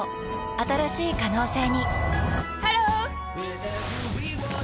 新しい可能性にハロー！